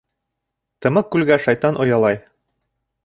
Тымыҡ күлгә шайтан оялай.